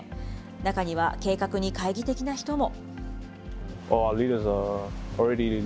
中には、計画に懐疑的な人も。